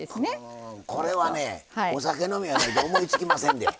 これはねお酒飲みやないと思いつきませんで。